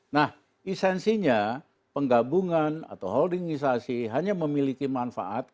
nah esensinya penggabungan atau holdingisasi hanya memiliki manfaat